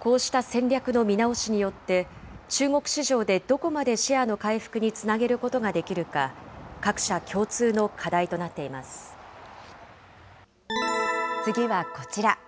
こうした戦略の見直しによって、中国市場でどこまでシェアの回復につなげることができるか、各社次はこちら。